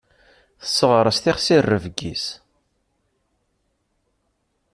Tesseɣres tixsi rrebg-is.